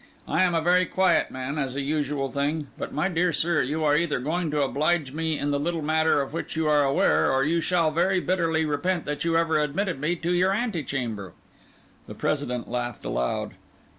I am a very quiet man, as a usual thing; but, my dear sir, you are either going to oblige me in the little matter of which you are aware, or you shall very bitterly repent that you ever admitted me to your ante chamber." The President laughed aloud.